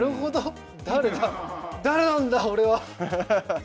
誰なんだ俺は！